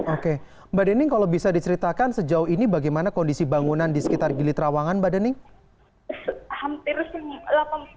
oke mbak dening kalau bisa diceritakan sejauh ini bagaimana kondisi bangunan di sekitar gili trawangan mbak dening